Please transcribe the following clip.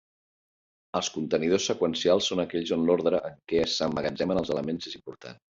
Els contenidors seqüencials són aquells on l'ordre en què s'emmagatzemen els elements és important.